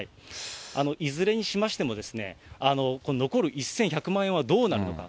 いずれにしましても、残る１１００万円はどうなるのか。